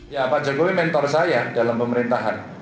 ya pak jokowi mentor saya dalam pemerintahan